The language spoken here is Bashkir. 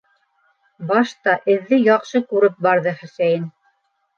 Башта эҙҙе яҡшы күреп барҙы Хөсәйен.